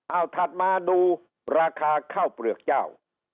เอาถัดมาดูราคาข้าวเปลือกเจ้า